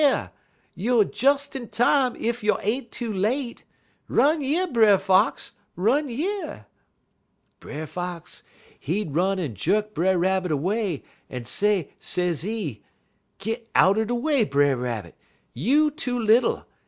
Youer des in time ef you ain't too late. Run yer, Brer Fox! run yer!' "Brer Fox, he run'd en juk Brer Rabbit away, un say, sezee: "'Git out de way, Brer Rabbit! You too little!